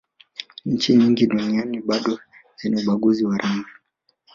nchi nyingi duniani bado zina ubaguzi wa rangi